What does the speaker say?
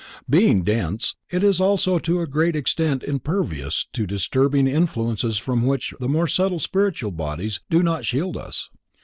Being dense, it is also to a great extent impervious to disturbing influences from which the more subtle spiritual bodies do not shield us.